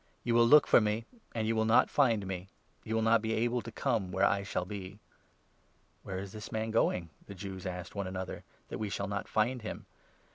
You will look for me, and you will not 34 find me ; and you will not be able to come where I shall be." "Where is this man going," the Jews asked one another, 35 " that we shall not find him